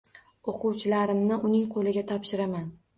O‘quvchilarimni uning qo‘liga topshiraman.